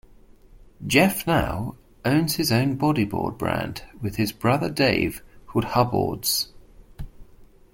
Jeff Now owns his own bodyboard brand with his brother dave called Hubboards.